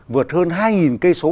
vượt hơn hai cây số